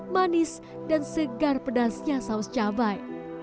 manis dan segar pedasnya saus cabai